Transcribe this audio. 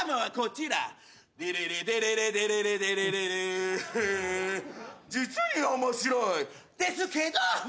「デレレデレレデレレデレレレレ」「実に面白い」ですけども！